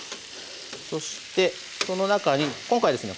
そしてその中に今回ですね